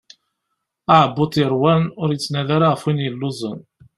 Aɛebbuḍ yeṛwan ur yettnadi ara ɣef win yelluẓen.